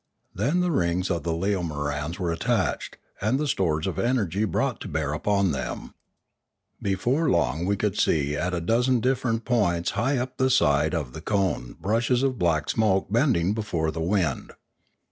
Then the rings of the leomorans were attached, and the stores of energy brought to bear on them; before long we could see at a dozen different points high up the side of the cone brushes of black smoke bending before the wind.